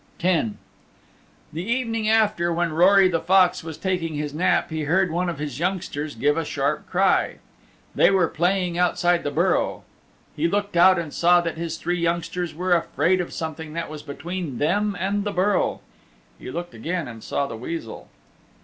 X The evening after when Rory the Fox was taking his nap he heard one of his youngsters give a sharp cry. They were playing outside the burrow, lie looked out and he saw that his three youngsters were afraid of something that was between them and the burrow. He looked again and saw the Weasel.